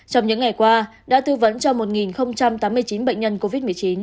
trong những ngày qua đã tư vấn cho một tám mươi chín bệnh nhân covid một mươi chín